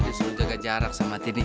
disuruh jaga jarak sama tini